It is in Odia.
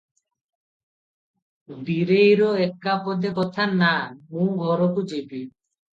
ବୀରେଇର ଏକା ପଦେ କଥା, "ନା, ମୁଁ ଘରକୁ ଯିବି ।"